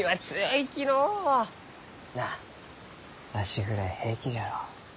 なあわしぐらい平気じゃろう？